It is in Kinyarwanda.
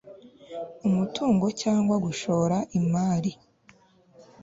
umutungo cyangwa gushora imari